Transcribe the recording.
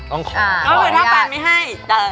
ก็คือถ้าแฟนไม่ให้